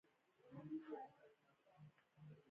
دوی نور، رنګ او موضوع په ځانګړو شیبو کې تمثیل کړي.